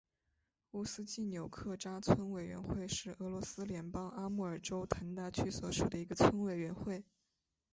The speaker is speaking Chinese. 乌斯季纽克扎村委员会是俄罗斯联邦阿穆尔州腾达区所属的一个村委员会。